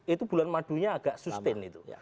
itu bulan madunya agak sustain itu